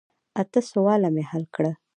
اته سواله مې حل کړه.